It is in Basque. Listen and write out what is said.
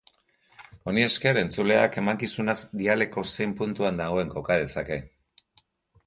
Honi esker, entzuleak emankizuna dialeko zein puntutan dagoen koka dezake.